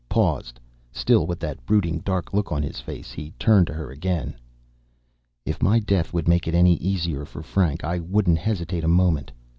Paused. Still with that brooding dark look on his face he turned to her again. "If my death would make it any easier for Frank, I wouldn't hesitate a moment.